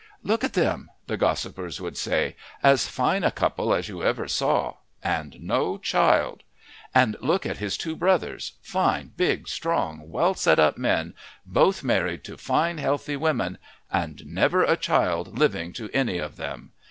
"Look at them," the gossipers would say, "as fine a couple as you ever saw, and no child; and look at his two brothers, fine, big, strong, well set up men, both married to fine healthy women, and never a child living to any of them.